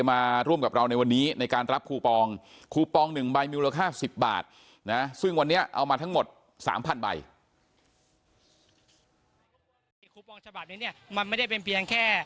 มาร่วมกับเราในวันนี้ในการรับคูปองคูปอง๑ใบมิวละ๕๐บาทนะซึ่งวันนี้เอามาทั้งหมด๓๐๐๐ใบ